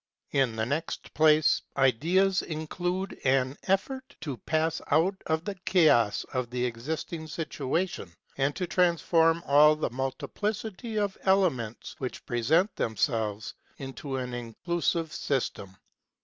In the next place, ideas include an effort to pass out of the chaos of the existing situation and to transform all the multiplicity of elements, which present themselves, into an inclusive system.